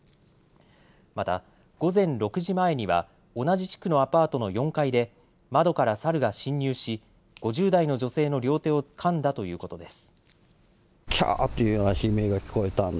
また午前６時前には同じ地区のアパートの４階で窓からサルが侵入し５０代の女性の両手をかんだということです。